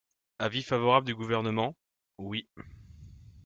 Avis favorable du Gouvernement ? Oui.